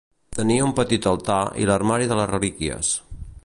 Tenia un petit altar i l'armari de les relíquies.